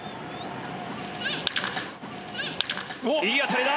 いい当たりだ！